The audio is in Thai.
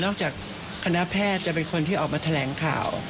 จากคณะแพทย์จะเป็นคนที่ออกมาแถลงข่าว